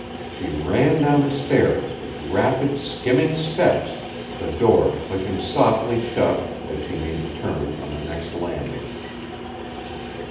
She ran down the stairs with rapid, skimming steps, the door clicking softly shut as she made the turn on the next landing.